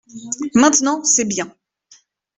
Maintenant c’est bien.